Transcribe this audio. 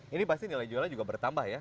ini pasti nilai jualnya juga bertambah ya